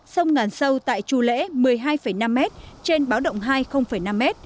sông ngàn sâu tại chu lễ một mươi hai năm m trên báo động hai năm m